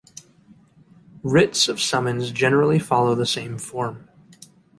Writs of summons generally follow the same form.